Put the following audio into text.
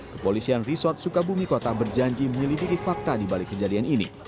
kepolisian resort sukabumi kota berjanji menyelidiki fakta dibalik kejadian ini